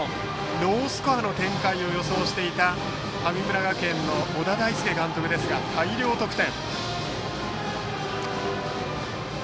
ロースコアの展開を予想していた神村学園の小田大介監督ですが大量得点。